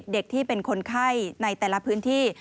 เด็กที่เป็นคนไข้ในแต่ละพื้นที่